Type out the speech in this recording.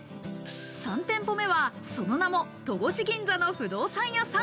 ３店舗目はその名も、とごしぎんざの不動産屋さん。